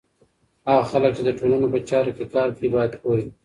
هغه خلګ چي د ټولنو په چارو کي کار کوي، باید پوه وي.